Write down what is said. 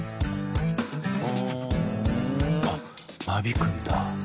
あっ間引くんだ。